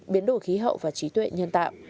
biến đổi khí hậu và trí tuệ nhân tạo